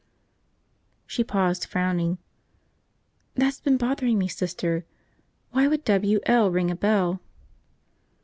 ..." She paused, frowning. "That's been bothering me, Sister. Why should W L ring a bell?"